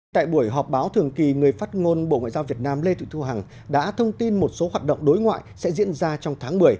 tại buổi họp báo thường kỳ người phát ngôn bộ ngoại giao việt nam lê thị thu hằng đã thông tin một số hoạt động đối ngoại sẽ diễn ra trong tháng một mươi